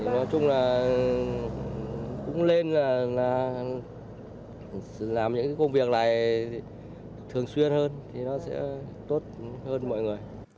nói chung là cũng nên làm những công việc này thường xuyên hơn thì nó sẽ tốt hơn mọi người